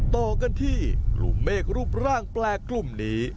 ต่อกันที่กลุ่มเมฆรูปร่างแปลกกลุ่มนี้